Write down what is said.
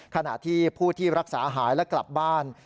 ขณะที่ผู้ที่รักษาหายและกลับบ้าน